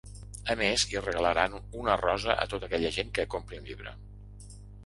A més hi regalaran una rosa a tota aquella gent que compri un llibre.